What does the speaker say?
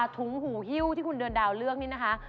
ถุงหูฮิ้วที่คุณเดือนดาวเลือกนี่นะคะ